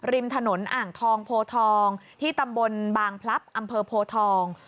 ริมถนนอ่างทองโพทองที่ตำบลบางพลับอำเภอโพทอง